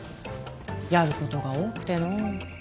やることが多くてのう。